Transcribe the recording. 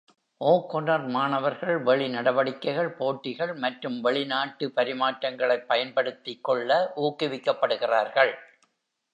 O'Connor மாணவர்கள், வெளி நடவடிக்கைகள், போட்டிகள் மற்றும் வெளிநாட்டு பரிமாற்றங்களைப் பயன்படுத்திக்கொள்ள ஊக்குவிக்கப்படுகிறார்கள்.